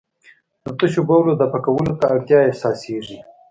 د تشو بولو دفع کولو ته اړتیا احساسېږي.